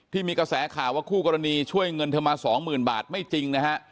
ที่มีกระแสข่าวว่าคู่กรณีช่วยเงินเธอมาสองหมื่นบาทไม่จริงนะฮะ